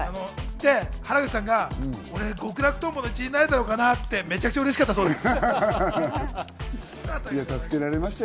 原口さんが、俺、極楽とんぼの一員になれたのかな？ってめちゃくちゃうれしかったそうです。